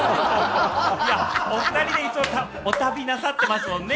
お２人でいつもね、お旅なさってますもんね。